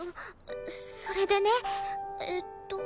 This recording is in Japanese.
そそれでねえっと。